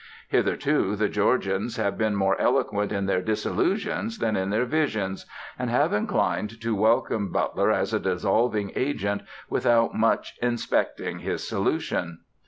Hitherto the Georgians have been more eloquent in their disillusions than in their visions, and have inclined to welcome Butler as a dissolving agent without much inspecting his solution.